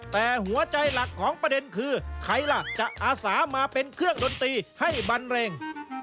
แต่หัวใจหลักของประเด็นคือใครล่ะจะอาสามาเป็นเครื่องดนตรีให้บันเร็ง